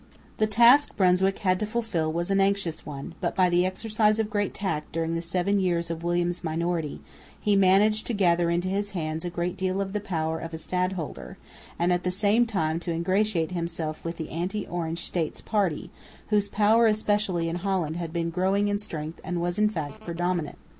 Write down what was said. The task Brunswick had to fulfil was an anxious one, but by the exercise of great tact, during the seven years of William's minority, he managed to gather into his hands a great deal of the powers of a stadholder, and at the same time to ingratiate himself with the anti Orange States party, whose power especially in Holland had been growing in strength and was in fact predominant.